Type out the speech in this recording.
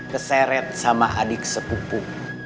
keseret sama adik sepupu